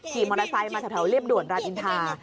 ขี่มอเตอร์ไซค์มาแถวเรียบด่วนรามอินทา